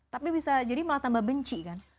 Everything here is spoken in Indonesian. tapi bisa jadi malah tambah benci kan